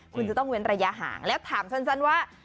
คุณจะต้องเว้นระยะห่างแล้วถามสั้นว่า